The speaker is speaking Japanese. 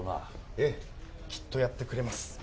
ええきっとやってくれます